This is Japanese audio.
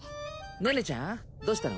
寧々ちゃんどうしたの？